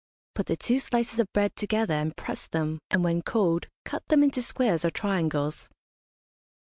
Put the two slices of bread together and press them, and, when cold,. cut them into squares or triangles.